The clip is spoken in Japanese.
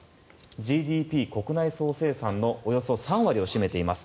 ＧＤＰ・国内総生産のおよそ３割を占めています。